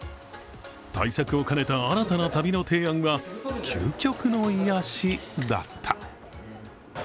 対策を兼ねた新たな旅の提案は究極の癒やしだった。